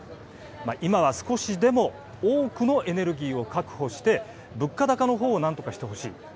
今は少しでも多くのエネルギーを確保して物価高の方を何とかしてほしい。